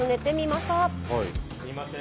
すいません